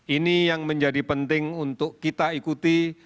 ini yang menjadi penting untuk kita ikuti